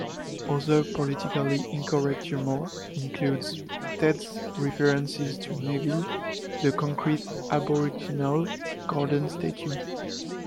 Other politically incorrect humour includes Ted's references to Neville, the concrete Aboriginal garden statue.